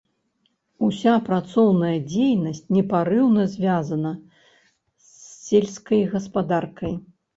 Уся працоўная дзейнасць непарыўна звязана з сельскай гаспадаркай.